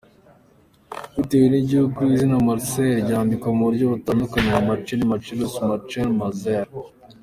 Bitewe n’igihugu, izina Marcel ryandikwa mu buryo butandukanye nka Marceli, Marcellus, Marcell, Marzell.